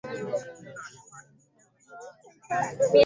kama itaelekezwa vinginevyo